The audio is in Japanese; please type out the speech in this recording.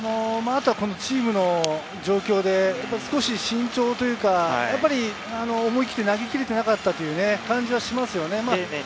チームの状況で、少し慎重というか、思い切って投げきれてなかったという感じがしますよね。